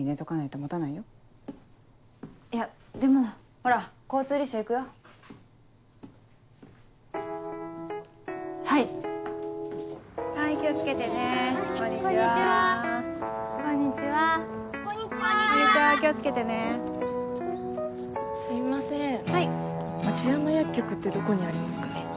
町山薬局ってどこにありますかね。